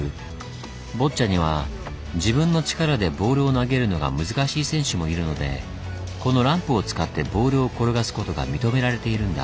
ボッチャには自分の力でボールを投げるのが難しい選手もいるのでこのランプを使ってボールを転がすことが認められているんだ。